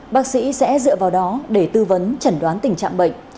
bác sĩ sẽ dựa vào đó để tư vấn chẩn đoán tình trạng bệnh